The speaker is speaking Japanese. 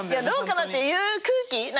「どうかな」っていう空気。